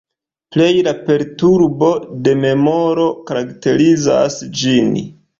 Pleje la perturbo de memoro karakterizas ĝin.